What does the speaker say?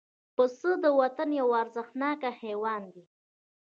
پسه د وطن یو ارزښتناک حیوان دی.